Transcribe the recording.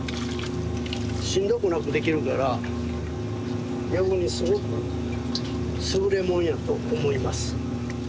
しんどくなくできるから逆にすごく優れもんやと思います。